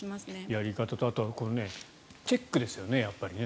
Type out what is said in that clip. やり方とあとはチェックですよね。